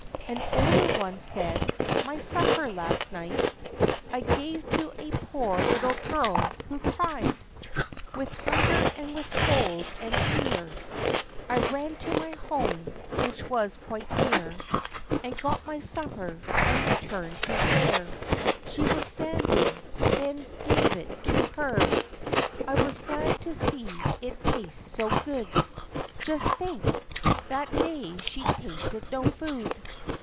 An older one said, "My supper last night I gave to a poor little girl, who cried With hunger and with cold and fear. I ran to my home, which was quite near, And got my supper, and returned to where She was standing ; then gave it to her. I was glad to see it taste so good. Just think ! that day she'd tasted no food.